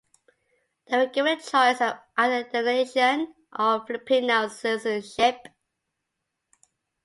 They were given a choice of either Indonesian or Filipino citizenship.